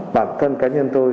bản thân cá nhân tôi